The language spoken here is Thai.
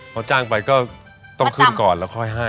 พอจ้างไปก็ต้องขึ้นก่อนแล้วค่อยให้